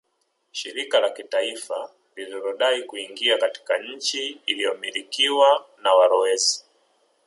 Shirika la kitaifa lilodai kuingia katika nchi iliyomilikwa na walowezi